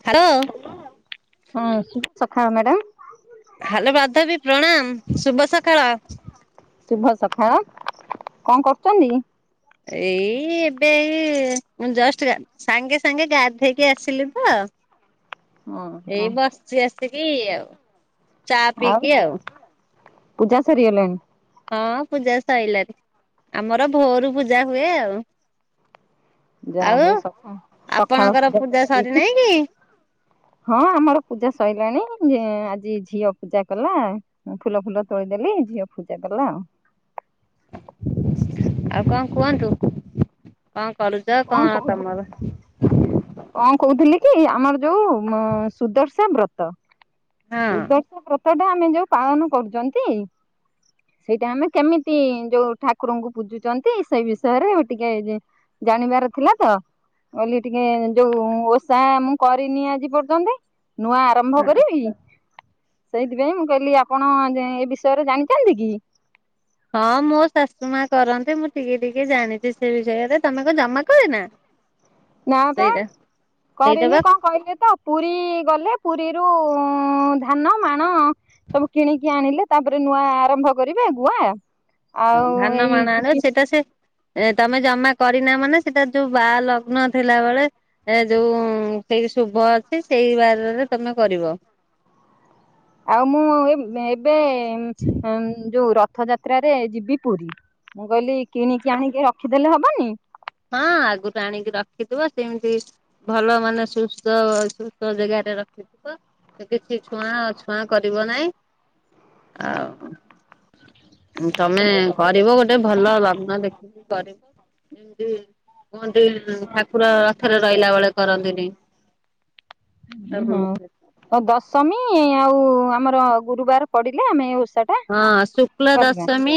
Hello ହଁ ସଖା madam hello ବାଧବୀ ପ୍ରଣାମ ଶୁଭ ସକାଳ। ଶୁଭ ସକାଳ କଣ କରୁଛନ୍ତି? ଏଇ ଏବେ ଏଇ ଜଷ୍ଟ ଗା ସାଙ୍ଗେ ସାଙ୍ଗେ ଗାଧେଇକି ଆସିଲି ତ। ହଁ ହଁ ଏଇ ବସିଚ ଆସିକି ଆଉ ଚା ପିଇକି ଆଉ। ପୂଜା ସରିଗଲାଣି। ହଁ ପୂଜା ସଇଲାରି ଆମର ଭୋରୁ ପୂଜା ହୁଏ ଆଉ। ଯାହା ଆଉ ହଉ ଶଖା ଶାଖା ଉସ ସକାଳ ଆପଣଙ୍କର ପୂଜା [unintelligible] ସୁଧା ଠିକ ସରିନାହିଁ କି ହଁ ଆମର ପୂଜା ସଇଲାଣି। ଯେ ଆଜି ଝିଅ ପୂଜା କଲା ଫୁଲ ଫୁଲ ତୋଳିଦେଲି ଝିଅ ପୂଜା କଲା ଆଉ। ଆଉ କଣ କୁହନ୍ତୁ? କଣ କରୁଛ ଆଉ କଣ କହୁଥିଲି ତମର? କଣ କହୁଥିଲି କି ଆମର ଯୋଉ ସୁଦର୍ଶା ବ୍ରତ ହଁ ସୁଦର୍ଶା ବ୍ର ତଟା ଆମେ ଯୋଉ ପାଳନ କରୁଛନ୍ତି। ସେଇଟା ଆମେ କେମିତି ଯୋଉ ଠାକୁରଙ୍କୁ ପୂଜୁଛନ୍ତି ସେଇ ବିଷୟରେ ଟିକେ ଜାଣିବାର ଥିଲା ତ। ବୋଲି ଟିକେ ଯୋଉ ଓଷା ମୁଁ କରିନି ଆଜି ପର୍ଯ୍ୟନ୍ତେ। ନୂଆ ଆରମ୍ଭ କରିବି ସେଇଥିପାଇଁ ମୁଁ କହିଲି ଆପଣ ଏ ବିଷୟରେ ଜାଣିଥାନ୍ତି କି? ହଁ ମୋ ଶାଶୁ ମା କରନ୍ତି ମୁଁ ଟିକେ ଟିକେ ଜାଣିଛି ସେ ବିଷୟରେ ତମେ କ ଜମା କରିନା। ନା ପା ସେଇଟା କରେନି ବା କଣ କହିଲେ ତ ପୁରୀ ଗଲେ ପୁରୀରୁ ଧାନ ମାଣ ସବୁ କିଣିକି ଆଣିଲେ ତାପରେ ନୂଆ ଆରମ୍ଭ କରିବେ ଗୁଆ ହଁ ଆଉ ଧାନ ଏଇ ମାଣା ଆଣି ଯିବି ସେଇଟା ସେ ଏ ତମେ ଜମା କରିନା ମାନେ ସେଟା ଯୋଉ ବା ଲଗ୍ନ ଥିଲାବେଳେ ଏ ଯୋଉ ସେଇ ଶୁଭ ଅଛି ସେଇ ବାରରେ ତମେ କରିବ। ଆଉ ମୁଁ ଏବେ ଯୋଉ ର ରଥଯାତ୍ରାରେ ଯିବି ପୁରୀ ମୁଁ କହିଲି କିଣିକି ଆଣିକି ରଖିଦେଲେ ହବନି? ହଁ ଆଗରୁ ଆଣିକି ରଖିଥିବ ସେମିତି ଭଲ ମାନେ ସୁସ୍ଥ ସୁସ୍ଥ ଜାଗା ରଖିଥିବ କିଛି ଛୁଆଁ ଅଛୁଆଁ କରିବ ନାଇଁ। ତମେ କରିବ ଗୋଟେ ଭଲ ଲଗ୍ନ ଦେଖିକି କରିବ। କୁହନ୍ତି ଠାକୁର ରଥରେ ରହିଲା ବେଳେ କରନ୍ତିନି। ହଁ ଦଶମୀ ଆଉ ଆମର ଗୁରୁବାର ପଡିଲେ ଆମେ ଏ ଓ ହଁ ଶୁକ୍ଲ ଦଶମୀ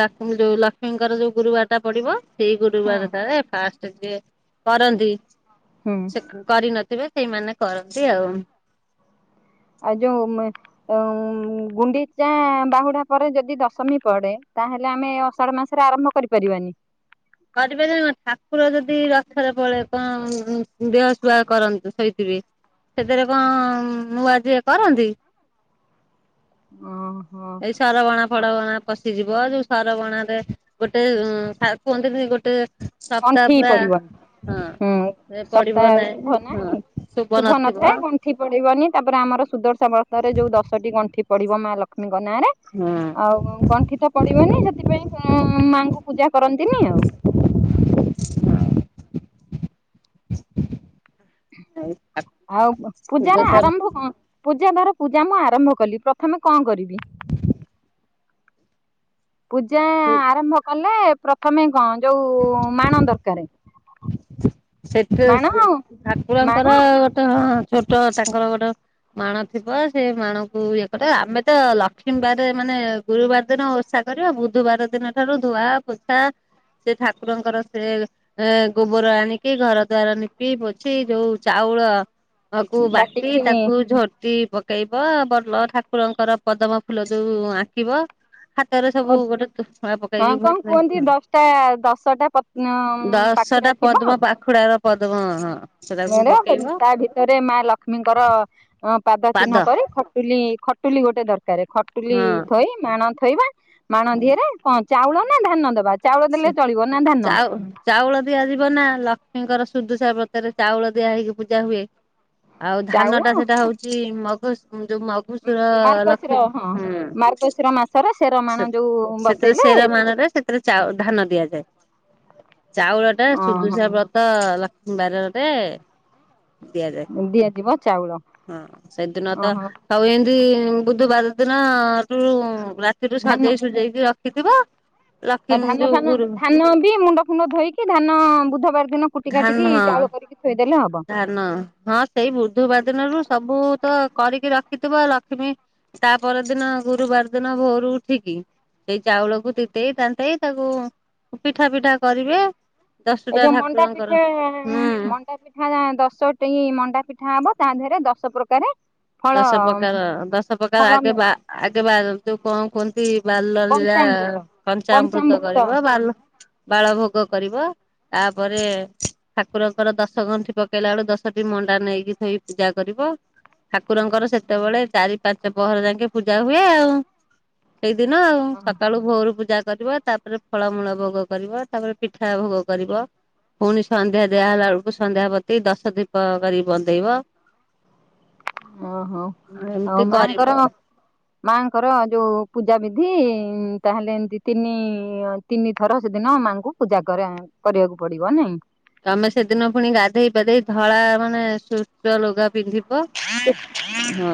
ଲକ୍ଷ୍ ଯୋଉ ଲକ୍ଷ୍ମୀଙ୍କର ଯୋଉ ଗୁରୁବାର ଟା ପଡିବ ସେଇ ହୁଁ ଗୁରୁବାର ଟାରେ ଫାଷ୍ଟ କରନ୍ତି ହୁଁ ସେ କରି ନ ଥିବେ ସେଇମାନେ କରନ୍ତି ଆଉ। ଆଉ ଯୋଉ ଗୁଣ୍ଡିଚା ବାହୁଡା ପରେ ଯଦି ଦଶମୀ ପଡେ ତାହେଲେ ଆମେ ଅଷାଢ ମାସରେ ଆରମ୍ଭ କରିପାରିବାନି। କରିପାରିବ କ ଠାକୁର ଯଦି ରଥରେ ପଡେ କଣ ଦେହ ସୁୁଆ କରନ୍ତୁ ସୋଇଥିବେ ସେଥିରେ କଣ ନୂଆ ଯିଏ କରନ୍ତି। ହ ଏଇ ସର ବଣ ଫଡ ବଣା ଫଶ୍ ଯିବ ଯୋଉ ସରବଣ ରେ ଗୋଟେ ଉ କୁହନ୍ତିନି ଗୋଟେ ସପ୍ତାହ ଅଣ୍ଠି ପୁରା ପଡିବନି। ହଁ। ହୁଁ ସେ ପଡିବ ସପ୍ତାହ ଶୁଭ ହଁ ନାହିଁ ଶୁଭ ନଥାଏ ନଥିବ। ଗଣ୍ଠି ପଡିବନି ତାପରେ ଆମର ସୁଦର୍ଶା ବର୍ଷାରେ ସେ ଯୋଉ ଦଶଟି ଗଣ୍ଠି ପଡିବ ମା ଲକ୍ଷ୍ମୀଙ୍କ ନାଁ ରେ ହୁଁ ଆଉ ଗଣ୍ଠି ତ ପଡିବନି ସେଥିପାଇଁ ଉଁ ଉଁ ମାଙ୍କୁ ପୂଜା କରନ୍ତିନି ଆଉ। ଆଉ ପୂଜାର ଆରମ୍ଭ କଣ? ପୂଜା ଧର ପୂଜା ମୁଁ ଆରମ୍ଭ କଲି ପ୍ରଥମେ କଣ କରିବି? ପୂଜା ଆରମ୍ଭ କଲେ ପ୍ରଥମେ କଣ ଯୋଉ ମାଣ ଦରକାର? ସେଟେ ମାଣ ସେ ମାଣ ଠାକୁରଙ୍କର ଗୋଟେ ହଁ ଛୋଟ ତାଙ୍କର ଗୋଟ ମାଣ ଥିବ ସେ ମାଣକୁ ଇଏ କର ଆମେ ତ ଲକ୍ଷ୍ମୀବାର ମାନେ ଗୁରୁବାର ଦିନ ଓଷା କରିବା ବୁଧବାର ଦିନ ଠାରୁ ଧୁଆ ପୋଛା ସେ ଠାକୁରଙ୍କର ସେ ଏ ଗୋବର ଆଣି କି ଘର ଦ୍ଵାର ନିପି ପୋଛି ଯୋଉ ଚାଉଳ କୁ ବାଟି ବାଟିକି ତାକୁ ଝୋଟି ପ ପକେଇବ ବଲ ଠାକୁରଙ୍କର ପଦମ ଫୁଲ ଯୋଉ ଆଙ୍କିବ ହା ତ ରେ ସବୁ ହଁ ଗୋଟେ ଫ ପକେଇକି ହୁଁ କଣ କୁହନ୍ତି ଦଶଟା ଦଶଟା ଦଶଟା ଆ ପାଖୁଡା ପଦ୍ମ ପାଖୁଡାର ପଦ୍ମ ହଁ। ସେଟାକୁ ମରେ ପକେଇବ ତା ଭିତରେ ମା ଲକ୍ଷ୍ମୀଙ୍କର ଅଁ ପାଦ ଚିହ୍ନ କରେ ଖଟୁଲି ଖଟୁଲି ଗୋଟେ ଦରକାର ଖଟୁଲି ହଁ ଥୋଇ ମାଣ ଥୋଇବା ମାଣ ଦିହରେ କଣ ଚାଉଳ ନା ଧାନ ଦବା? ଚାଉଳ ଦେଲେ ସେ ଚଳିବ ନା ଧାନ ଚାଉ ଚାଉଳ ଦିଆଯିବ ନା ଲକ୍ଷ୍ମୀଙ୍କର ସୁଦୁସା ବ୍ରତରେ ଚାଉଳ ଦିଆ ହେଇକି ପୂଜା ହୁଏ ଆଉ ଚାଉଳ ଧାନ ଟା ସେଟା ହଉଚି ମଗୁ ହୁଁ ଯୋଉ ମଗୁସୁୁର ମାର୍ଗଶିର ଲକ୍ଷ୍ମୀ ହଁ ହୁଁ। ମାର୍ଗଶିର ମାସରେ ରମାଣ ସେ ଯୋଉ ସେଥିରେ ବସେଇଲେ ସେର ମାଣରେ ସେଥିରେ ଚା ଧାନ ଦିଆଯାଏ। ଚାଉଳ ଟା ଓହୋ ସୁଦୂଶା ବ୍ରତ ଲକ୍ଷ୍ମୀ ବାରରେ ଦିଆଯାଏ ଦିଆଯିବ ଚାଉଳ ହଁ ସେଦିନ ତ ଓହୋ ହଉ ଏମିତି ବୁଧବାର ଦିନ ରୁ ରାତିରୁୁ ସଜେଇ ସୁଜେଇକି ରଖିଥିବ। ଅ ଲକ୍ଷ୍ମୀ ଧାନ ଯୋଉ ଫାନ ଗୁରୁ ଧାନ ବି ମୁଣ୍ଡ ଫୁଣ୍ଡ ଧୋଇକି ଧାନ ବୁଧବାର ଦିନ କୁଟି କାଟିକି ଧାନ ହଁ ଚାଉଳ କରିକି ଥୋଇଦେଲେ ହବ ଧାନ ହଁ ସେଇ ବୁଧବାର ଦିନରୁ ସବୁ ତ କରିକି ରଖିଥିବ ଲକ୍ଷ୍ମୀ ତାପ ଦିନ ଗୁରୁବାର ଦିନ ଭୋରୁ ଉଠିକି ସେଇ ଚାଉଳକୁ ତିନ୍ତେଇ ତାନ୍ତେଇ ତାକୁ ପିଠା ପିଠା କରିବେ। ଏଇ ଦଶଟା ଯୋଉ ଠାକ୍ ମଣ୍ଡା ପିଠା ମଣ୍ଡା ପିଠା ଦଶ ଟେ ମଣ୍ଡା ପିଠା ହବ। ତା ଦେହରେ ଦଶ ପ୍ରକାରେ ଦଶ ପ୍ରକାର ଦଶ ପ୍ରକାର ଆଗେ ବା ଆଗେ ବା ଯୋଉ କଣ କୁହନ୍ତି ବାଲ ଲୀଳା ପଞ୍ଚାମୃତ କଞ୍ଚାମୃତ ପଞ୍ଚାମୃତ କରିବ ବାଲ ବାଳ ଭୋଗ କରିବ। ତାପରେ ଠାକୁରଙ୍କର ଦଶ ଗଣ୍ଠି ପକେଇଲା ବେଳୁ ଦଶଟି ମଣ୍ଡା ନେଇକି ଥୋଇ ପୂଜା କରିବ। ଠାକୁରଙ୍କର ସେତେବେଳେ ଚାରି ପାଞ୍ଚ ପହର ଯାଇକେ ପୂଜା ହୁଏ ଆଉ। ସେଇଦିନ ଆଉ ସକାଳୁ ଭୋରୁ ପୂଜା କରବ ତାପରେ ଫଳମୂଳ ଭୋଗ କରିବ ତାପରେ ପିଠା ଭୋଗ କରିବ। ଫୁଣି ସନ୍ଧ୍ୟା ଦିଆହେଲା ବେଳକୁ ସନ୍ଧ୍ୟା ପ୍ରତି ଦଶ ଦୀପ କରିକି ବନ୍ଦେଇବ। ଓହୋ ଆଉ ଏମିତି କରିବ ମାଆଙ୍କର ମାଙ୍କର ଯୋଉ ପୂଜାବିଧି ତାହେଲେ ଏମତି ତିନି ତିନିଥର ସେଦିନ ମାନଙ୍କୁ ପୂଜା କରେ କରିବାକୁ ପଡିବ ନାଇଁ? ତମେ ସେଦିନ ପୁଣି ଗାଧେଇ ପଧେଇ ଧଳା ମାନେ ସୁସ୍ ଲୁଗା ପିନ୍ଧି ବ ହଁ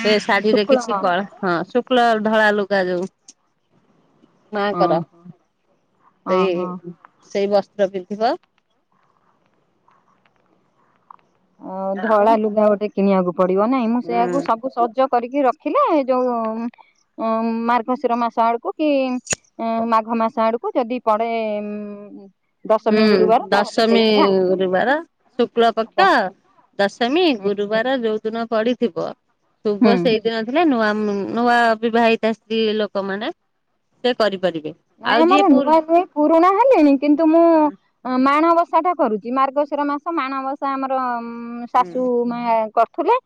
ସେ ଶାଢୀରେ ଶୁକ୍ଳ କିଛି କଳା ହଁ ଶୁକ୍ଲ ଧଳା ଲୁଗା ଯୋଉ। ହଁ ମାଙ୍କର ସେଇ ଓହୋ ସେଇ ବସ୍ତ୍ର ପିନ୍ଧିବ। ଅ ଆଉ ଧଳା ଲୁଗା ଗୋଟେ କିଣିବାକୁ ପଡିବ ନାଇଁ ମୁଁ ସେଇୟାକୁ ହୁଁ ସବୁ ସଜ କରିକି ରଖିଲେ ଯୋଉ ଉଁମ୍ ମାର୍ଗଶିର ମାସ ଆଡ଼କୁ କି ମାଘ୍ ମାସ ଆଡକୁ ଯଦି ପଡେ ଉଁ ହୁଁ ଦଶମୀ ଗିବାର ଶୁକ୍ଳ କକ୍ଷ ଆରମ୍ଭ ଦଶମୀ ଗୁରୁବାର ଯୋଉ ଦିନ ପଡିଥିବ ହୁଁ ଶୁଭ ସେଇ ଦିନ ଥିଲେ ନୂଆ ନୂଆ ବିବାହିତା ସ୍ତ୍ରୀ ଲୋକମାନୋନେ ସେ କର ନାଇଁ ଆମର ନୂଆ ନୁହେଁ ପୁରୁଣା ହେଲିଣି କିନ୍ତୁ ମୁଁ ମାଣବସା ଟା କରୁଛି। ମାର୍ଗଶିର ମାସ ମାଣବସା ଆମର ଶାଶୁ ଥିଲେ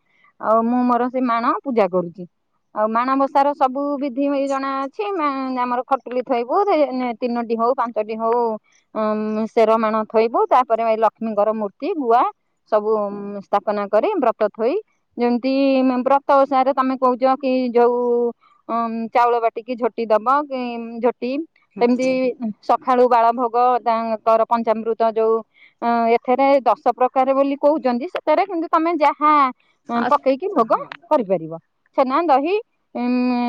ଆଉ ମୁଁ ମୋର ସେ ମାଣ ପୂଜା କରୁଛି। ଆଉ ମାଣବସା ର ସବୁ ବିଧି ଜଣା ଅଛି ଆମର ଖର୍ଚ୍ଚ ତିନ ହଉ ପାଞ୍ଚ ହଉରଣଥୋଇୁ ତାପରେ ଲକ୍ଷ୍ମୀଙ୍କର ମୂର୍ତ୍ତି ଗୁଆ ସବୁ ସ୍ଥାପନା କରି ବ୍ରତ ଥୋଇ ଯେମିତି ବ୍ରତ ଓସାରେରେ ତମେ କହୁଛ କି ଯୋଉ ଚାଉଳ ବାଟିକି ଝୋଟି ଦବ କି? ଝୋଟି ସେମିତି ଖାଳୁ ବାଳ ଭୋଗ ତର ପଞ୍ଚାମୃତ ଯୋଉ ଅ ଏଥିରେ ଦଶ ପ୍ରକାର ବୋଲି କହୁ। ସେଥିରେ କିନ୍ତୁ ତମେ ଯାହାଁ ପକେଇକି ଭୋଗ କରିପାରିବ ଛେନା ଦହି ଉ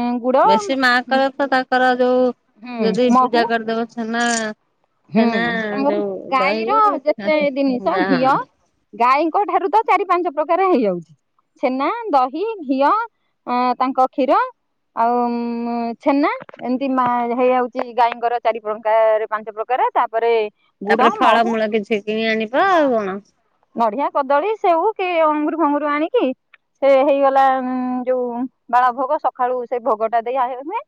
ବେଶୀ ମା କହ ତ ତାଙ୍କର ଯୋଉ ହୁଁ ଯଦି ମହୁ ପୂଜା କରିଦେବ ସେନା ହୁଁ ଆମର ଦହି ଗାଈର ଯେତେ ଜିନିଷ ଯାହା ଘିଅ ଗାଈଙ୍କ ଠାରୁ ତ ଚାରି ପାଞ୍ଚ ପ୍ରକାର ହେଇଯାଉଛି। ଛେନା ଦହି ଘିଅ ଆ ତାଙ୍କ କ୍ଷୀର ଆଉ ଛେନା ଏମତି ହେଇଯାଉଛି ଗାଈଙ୍କର ଚାରି ପ୍ରଙ୍କ ପାଞ୍ଚ ପ୍ର କର ତାପରେ ତାପରେ ଫଳମୂଳ କିଛି କି ଆଣିବ ଆଉ କଣ? ନଡିଆ କଦଳୀ ସେବଉ କି ଅଙ୍ଗୁର ଫଙ୍ଗୁର ଆଣିକି ସେ ହେଇଗଲା ଯୋଉ ବାଳ ଭୋଗ ସକାଳୁ ସେ ଭୋଗ ଟା ଦେଇ ଆମେ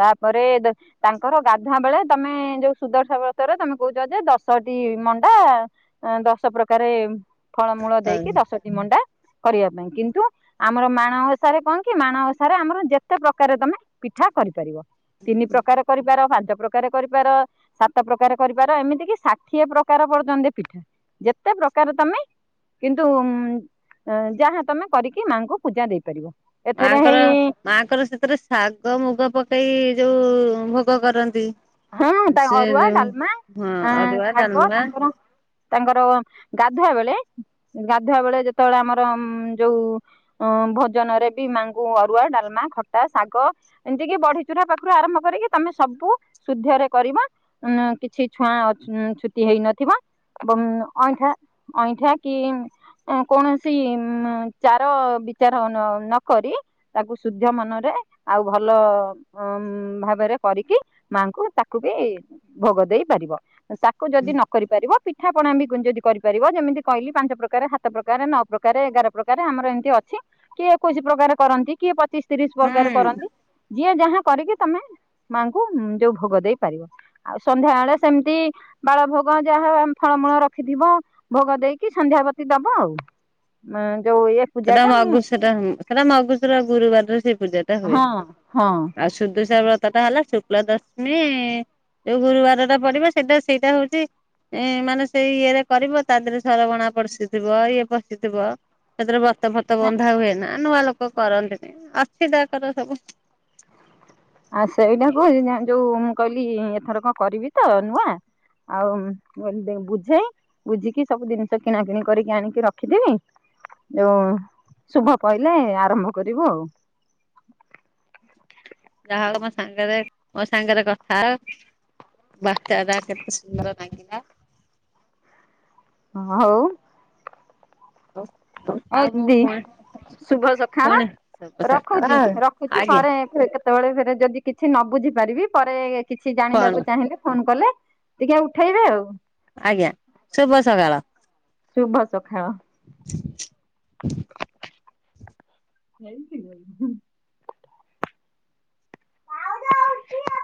ତାପରେ ତାଙ୍କର ଗାଧୁଆ ବେଳେ ତମେ ଯୋଉ ସୁଦର୍ଶା ବଳ ର ତମେ କହୁଛ ଯେ ଦଶଟି ମଣ୍ଡା ଦଶ ପ୍ରକାରେ ଫଳମୂଳ କଣ ଦେଇକି ଦଶ ତିନ ମଣ୍ଡା କରିବା ପାଇଁ କିନ୍ତୁ ଆମର ମାଣବସାରେ କଣ କି ମାଣବସାରେ ଆମର ଯେତେ ପ୍ରକାରରେ ତମେ କଠା କରିପାରିବ ତିନି ପ୍ରକାର କରିପାର ପାଞ୍ଚ ପ୍ରକାର କରିପାର ସ ତ ପ୍ରକାର କରିପାର ଏମିତି କି ଷାଠିଏ ପ୍ରକାର ପର୍ଯ୍ୟନ୍ତ ପିଠା ଯେତେ ପ୍ରକାର ତମେ କିନ୍ତୁ ଯାହା ତମେ କରିକି ମାଙ୍କୁ ପୂଜା ଦେଇପାରିବ। ଏଥିରେ ମାଙ୍କର ହେଇ ମାଙ୍କର ସେଥିରେ ଶାଗ ମୁଗ ପକେଇ ଯୋଉ ଭୋଗ କରନ୍ତି। ହଁ ତା ସେ ଅରୁଆ ଯୋଉ ଡାଲମା ହଁ ଆ ଅରୁଆ ଶାଗ ଡାଲମା ତାଙ୍କର ତାଙ୍କର ଗାଧୁଆ ବେଳେ ଗାଧୁଆ ବେଳେ ଯେତେବେଳେ ଆମର ଯୋଉ ଭୋଜନ ରେ ବି ମାଆଙ୍କୁ ଅରୁଆ ଡାଲମା ଖଟା ଶାଗ ଏମତି କିି ବଢିଚୁରୁରା ପାଖରୁ ଆରମ୍ଭ କରିକି ତମେ ସବୁ ଶୁଦ୍ଧରେ କର ଉ କିଛି ଛୁଆଁ ଛୁତି ହେଇନଥିବ। ଅଇଁଠା ଅଇଁଠା କି? କୌଣସି ଉ ଚାର ବିଚାର ନକ ତାକୁ ଶୁଦ୍ଧ ମନରେ ଆଉ ଭଲ ଉ ଭାବରେ କରିକି ମାଙ୍କୁ ତାକୁ ବି ଭୋଗ ଦେଇ ପାରିବ ତାକୁ ଯଦି ହୁଁ ନ କରି ପାରିବ। ପିଠାପଣା ବି ଯଦି କରିପାରିବ ଯେମିତି କହିଲି ପାଞ୍ଚ ପ୍ରକାର ସାତ ପ୍ରକାର ନଅ ପ୍ରକାର ଏଗାର ପ୍ରକାର ଆମର ଏମିତି ଅ କିଏ କୌ ପ୍ରକାର କରନ୍ତି କିଏ ପଚ ତିରିଶ ପ୍ରକାର କରନ୍ତି ଯିଏ ଯାହା କରିକି ତମେ ମାଙ୍କୁ ଯୋଉ ଭୋଗ ଦେଇ ପାରିବ ଆଉ ସନ୍ଧ୍ୟା ବଳେ ସେମିତି ବାଳ ଭୋଗ ଯାହା ଆମ ଫଳମୂଳ ରଖିଥିବ। ଭୋଗ ଦେଇକି ସନ୍ଧ୍ୟାବତୀ ଦବ ଆଉ ଯୋଉ ଏ ପୂଜା ସେଟା ଟା ମୁଁ ମଘୁ ସେଟା ମଘୁସୁର ଗୁରୁବାରରେ ସେ ପୂଜା ଟା ହୁଏ ହଁ ହଁ ଆଉ ସୁଦଶ ବ୍ରତ ଟା ହେଲା ଶୁକ୍ଲା ଦଶମୀ ଯୋଉ ଗୁରୁବାର ଟା ପଡିବ ସେଇଟା ସେଇଟା ହଉଛି ଏଁ ମାନେ ସେଇ ଇଏ ରେ କରିବ ତା ଦେହରେ ସରବଣା ପଶିଥିବ ଇଏ ପଶିଥିବ। ସେଥିରେ ବତ ଫତ ବନ୍ଧା ହୁଏ। ନା ନୂଆ ଲୋକ କରନ୍ତିନି ଅସଧା କର ସବୁ ଆଉ ସେଇଟାକୁ ଯୋଉ ମୁଁ କହିଲି ଏଥର କଣ କରିବି ତ ନୂଆ ଆଉ ବୁଝେଇ ବୁଝିକି ସବୁ ଜିନିଷ କିଣା କିିଣି କରିକି ଆଣିକି ରଖିଦେମି ଯଉ ଶୁଭ ପଇଲେ ଆରମ୍ଭ କରିବୁ ଆଉ। ଯାହା ହଉ ମୋ ସାଙ୍ଗରେ ମୋ ସାଙ୍ଗରେ କଥା ହୋ କଥାଟା କେତେ ସୁନ୍ଦର ନାଗିଲା। ହ ହଉ, ଆଉ ଆଉ ହଉ ମୁଁ ଦିଦି। ପୁଣି ଶୁଭ ସଖାଳ ପୁଣି ଶୁଭ ରଖୁଛି ସକାଳ ରଖୁଛି ଆଜ୍ଞା ପରେ କେତେବେଳେ ଯଦି କିଛି ନ ବୁଝି ପାରିବି ପରେ କିଛି କଣ ଜାଣିବାକୁ ଚାହିଁଲେ ଫୋନ କଲେ ଟିକେ ଉଠେଇବେ ଆଉ। ଆଜ୍ଞା ଶୁଭ ସକାଳ। ଶୁଭ ସଖାଳ। ଏମିତି ହୁଏ ହୁଁ ପାଉ [inaudible]